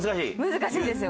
難しいんですよ。